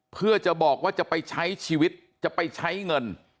เพื่อจะบอกว่าจะไปใช้ชีวิตจะไปใช้เงิน